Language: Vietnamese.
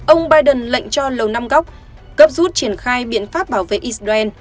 ông biden lệnh cho lầu năm góc rút triển khai biện pháp bảo vệ israel